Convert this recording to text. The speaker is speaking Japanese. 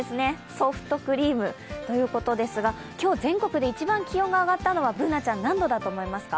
ソフトクリームということですが今日全国で一番気温が上がったのは何度だと思いますか？